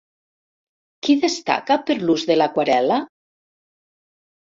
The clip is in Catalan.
Qui destaca per l'ús de l'aquarel·la?